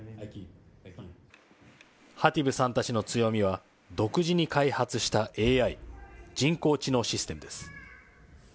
ハティブさんたちの強みは、独自に開発したＡＩ・人工知能システムです。